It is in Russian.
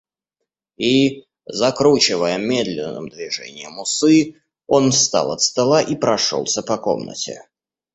И, закручивая медленным движением усы, он встал от стола и прошелся по комнате.